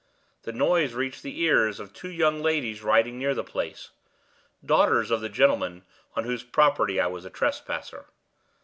The noise reached the ears of two young ladies riding near the place daughters of the gentleman on whose property I was a trespasser.